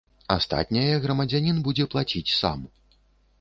Астатняе грамадзянін будзе плаціць сам.